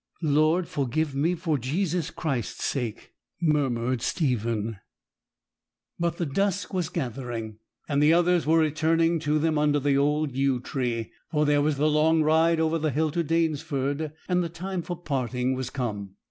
'Lord, forgive me, for Jesus Christ's sake!' murmured Stephen. But the dusk was gathering, and the others were returning to them under the old yew tree, for there was the long ride over the hills to Danesford, and the time for parting was come.